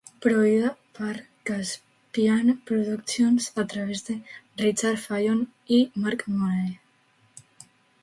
Produïda per Caspian Productions a través de Richard Fallon i Mark Mooney.